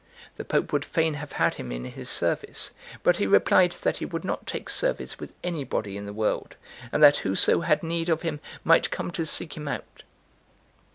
The Pope would fain have had him in his service, but he replied that he would not take service with anybody in the world, and that whoso had need of him might come to seek him out.